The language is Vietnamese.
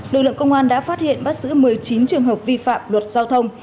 lực lượng công an đã phát hiện bắt giữ một mươi chín trường hợp vi phạm luật giao thông